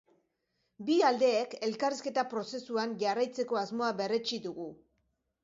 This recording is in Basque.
Bi aldeek elkarrizketa prozesuan jarraitzeko asmoa berretsi dugu.